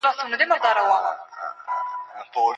دوی د غدو له خوا تولیدېږي.